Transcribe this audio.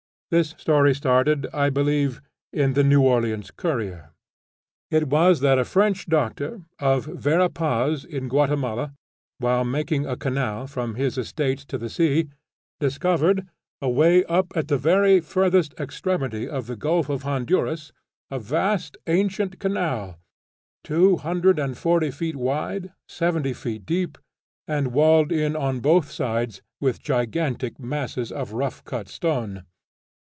This story started, I believe, in the "New Orleans Courier." It was, that a French Doctor of Vera Paz in Guatemala, while making a canal from his estate to the sea, discovered, away up at the very furthest extremity of the Gulf of Honduras, a vast ancient canal, two hundred and forty feet wide, seventy feet deep, and walled in on both sides with gigantic masses of rough cut stone.